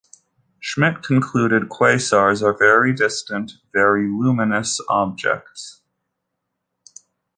Schmidt concluded quasars are very distant, very luminous objects.